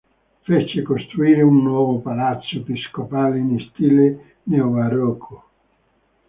Fece costruire un nuovo palazzo episcopale in stile neobarocco.